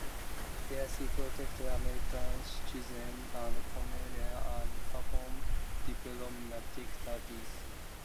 There she protected American citizens and commerce and performed diplomatic duties.